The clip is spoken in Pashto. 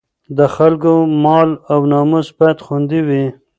د خلکو مال او ناموس باید خوندي وي.